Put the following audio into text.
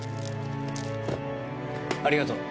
ありがとう。